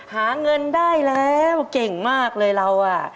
หาเงินได้แล้วเก่งมากเลยเรา